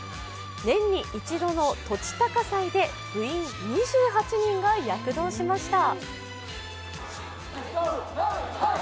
年に一度の栃高祭で部員２８人が躍動しました。